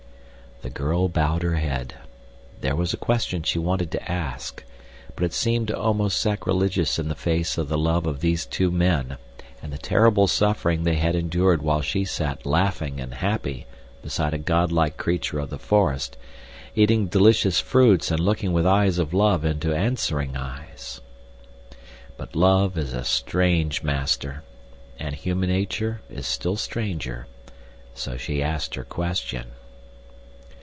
The girl bowed her head. There was a question she wanted to ask, but it seemed almost sacrilegious in the face of the love of these two men and the terrible suffering they had endured while she sat laughing and happy beside a godlike creature of the forest, eating delicious fruits and looking with eyes of love into answering eyes. But love is a strange master, and human nature is still stranger, so she asked her question.